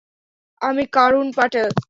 আমি কারুন পাটেল।